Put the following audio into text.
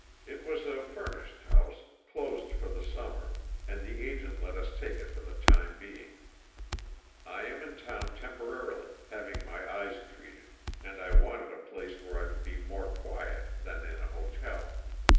It was a furnished house, closed for the summer, and the agent let us take it for the time being. I am in town temporarily, having my eyes treated, and I wanted a place where I could be more quiet than in a hotel.